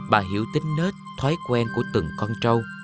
bà hiểu tính net thói quen của từng con trâu